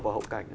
vào hậu cảnh